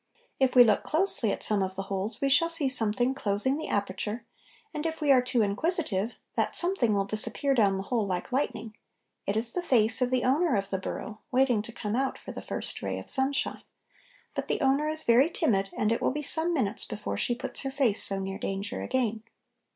If we look closely at some of the holes we shall see something closing the aperture, and, if we are too inquisitive, that something will disappear down the hole like lightning; it is the face of the owner of the burrow waiting to come out for the first ray of sunshine, but the owner is very timid and it will be some minutes before she puts her face so near danger again.